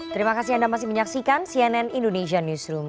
terima kasih anda masih menyaksikan cnn indonesia newsroom